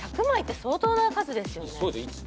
１００枚って相当な数ですよね。